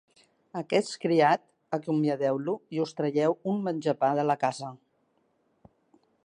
Aquest criat, acomiadeu-lo i us traieu un menjapà de la casa.